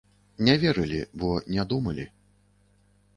Не верылі, бо не думалі.